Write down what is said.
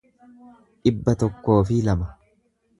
dhibba tokkoo fi lama